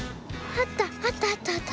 あったあったあったあった。